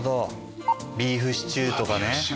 ビーフシチューとかね。